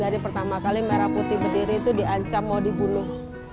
dari pertama kali merah putih berdiri itu diancam mau dibunuh